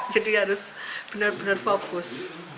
jadi harus benar benar fokus